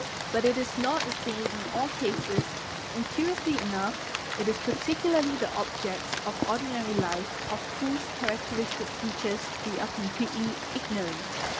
But it is not the same in all cases and curiously enough it is particularly the objects of ordinary life of whose characteristic features we are completely ignorant.